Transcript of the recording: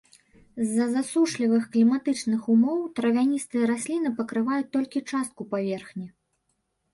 З-за засушлівых кліматычных умоў травяністыя расліны пакрываюць толькі частку паверхні.